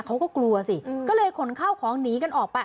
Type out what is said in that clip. เขาก็กลัวสิก็เลยขนข้าวของหนีกันออกไป